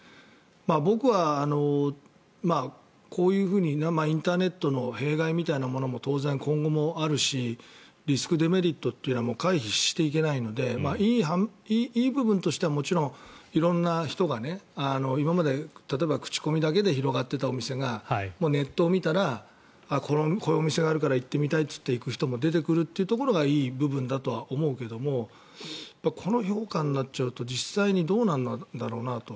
僕はこういうふうにインターネットの弊害みたいなものも当然、今後もあるしリスク、デメリットというのは回避していけないのでいい部分としてはもちろん、色んな人が今まで例えば口コミだけで広がっていたお店がネットを見たらこういうお店があるから行ってみたいって行ってみる人が出てくるという部分はいい部分だとは思うけどもこの評価になっちゃうと実際にどうなんだろうなと。